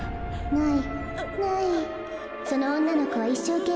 ない。